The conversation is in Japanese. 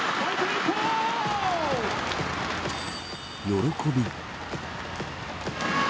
喜び。